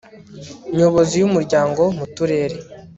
nyobozi y umuryango mu turere